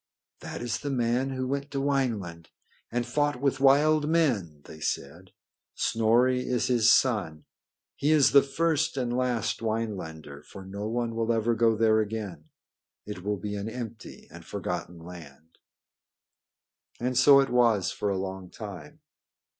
"That is the man who went to Wineland and fought with wild men," they said. "Snorri is his son. He is the first and last Winelander, for no one will ever go there again. It will be an empty and forgotten land." And so it was for a long time.